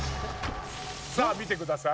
さあ見てください。